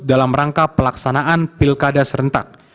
dalam rangka pelaksanaan pilkada serentak